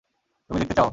তুমি দেখতে চাও?